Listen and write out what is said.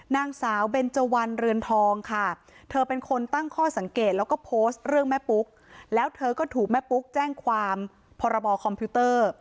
นางสาวเบนเจวันเรือนทองค่ะเธอเป็นคนตั้งข้อสังเกตแล้วก็โพสต์เรื่องแม่ปุ๊กแล้วเธอก็ถูกแม่ปุ๊กแจ้งความพรบคอมพิวเตอร์